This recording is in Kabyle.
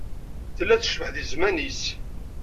Tella tecbeḥ di zzman-is.